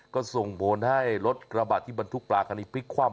ก็ส่งผลให้รถกระบาดที่บรรทุกปลาคันนี้พลิกคว่ำ